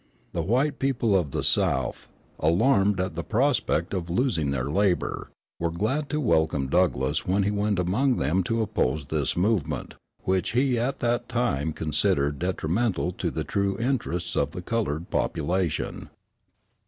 The white people of the South, alarmed at the prospect of losing their labor, were glad to welcome Douglass when he went among them to oppose this movement, which he at that time considered detrimental to the true interests of the colored population.